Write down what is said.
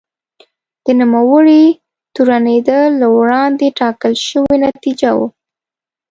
د نوموړي تورنېدل له وړاندې ټاکل شوې نتیجه وه.